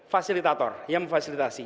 fasilitator yang memfasilitasi